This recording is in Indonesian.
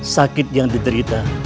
sakit yang diterita